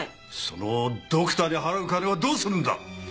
そのドクターに払う金はどうするんだ！